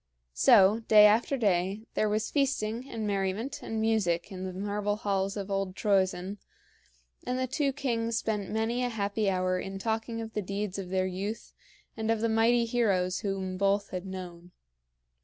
So, day after day, there was feasting and merriment and music in the marble halls of old Troezen, and the two kings spent many a happy hour in talking of the deeds of their youth and of the mighty heroes whom both had known.